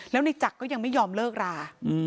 แล้วในจักรก็ยังไม่ยอมเลิกรา